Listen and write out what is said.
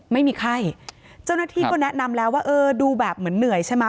ไม่มีไข้เจ้าหน้าที่ก็แนะนำแล้วว่าเออดูแบบเหมือนเหนื่อยใช่ไหม